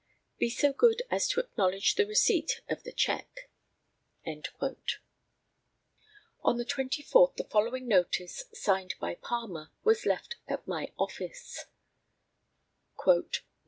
Be so good as to acknowledge the receipt of the cheque." On the 24th the following notice, signed by Palmer, was left at my office: "Nov.